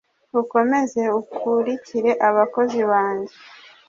ukomeze ukurikire abakozi banjye